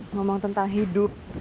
ngomong tentang hidup